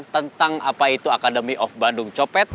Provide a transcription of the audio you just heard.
tentang apa itu academy of bandung copet